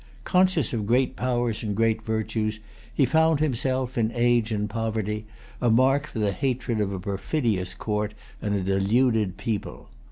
Conscious of great powers and great virtues, he found himself, in age and poverty, a mark for the hatred of a perfidious court and a deluded people.